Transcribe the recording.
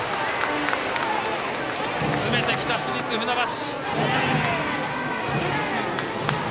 詰めてきた市立船橋。